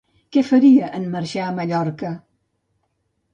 Què faria en marxar a Mallorca?